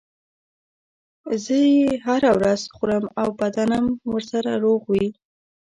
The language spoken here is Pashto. چې زه یې هره ورځ خورم او بدنم ورسره روغ وي.